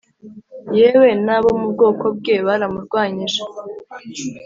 yewe n’abo mu bwoko bwe, baramurwanyije.